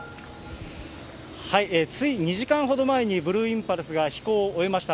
つい２時間ほど前にブルーインパルスが飛行を終えました。